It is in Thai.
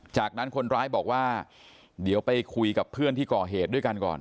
จากนั้นคนร้ายบอกว่าเดี๋ยวไปคุยกับเพื่อนที่ก่อเหตุด้วยกันก่อน